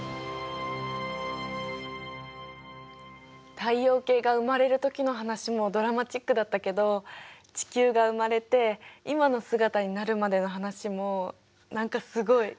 太陽系が生まれるときの話もドラマチックだったけど地球が生まれて今の姿になるまでの話も何かすごい。